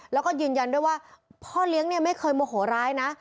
แล้วก็ยืนยันด้วยว่าพ่อเลี้ยงเนี่ยไม่เคยโมโหร้ายนะ